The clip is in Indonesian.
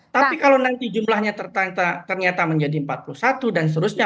tapi kalau nanti jumlahnya ternyata menjadi empat puluh satu dan seterusnya